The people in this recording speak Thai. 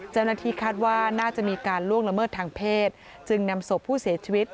เจ้าหน้าที่คาดว่าน่าจะมีการล่วงละเมิดทางเพศจึงนำศพผู้เสียชีวิต